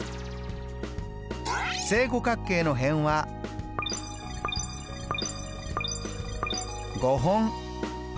正五角形の辺は５本。